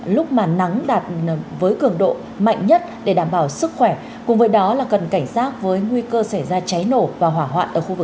lúc mà nắng đạt với cường độ mạnh nhất để đảm bảo sức khỏe cùng với đó là cần cảnh sát với nguy cơ xảy ra cháy nổ và hỏa hoạn ở khu vực